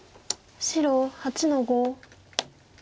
白８の五。